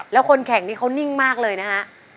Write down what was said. แล้วคนแข่งนี้เขานิ่งมากเลยนะฮะ